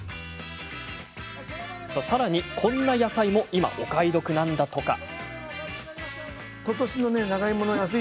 さらに、こんな野菜も今、お買い得なんだとか。